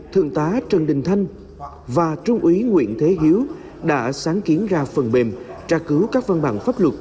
thượng tá trần đình thanh và trung úy nguyễn thế hiếu đã sáng kiến ra phần mềm tra cứu các văn bản pháp luật